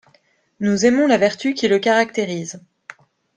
Nous aimons la vertu qui le caractérise.